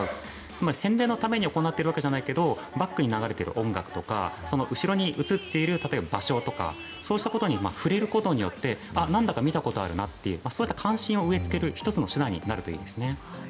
つまり、宣伝のためにやっているわけじゃないけどバックに流れてる音楽とか後ろに映ってる場所とかそうしたことに触れることでなんだか見たことがあるなというそういった関心を植えつける１つの手段になるといいですね。